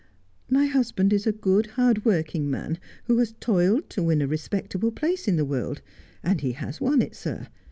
My husband is a good, hardworking man, who has toiled to win a respectable place in the world — and he has won it, sir.